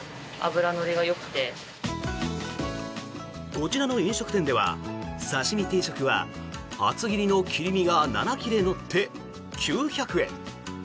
こちらの飲食店では刺し身定食は厚切りの切り身が７切れ乗って９００円。